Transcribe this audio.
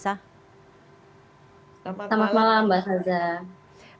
selamat malam mbak sajah